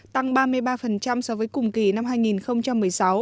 tăng ba mươi ba so với cùng kỳ năm hai nghìn một mươi sáu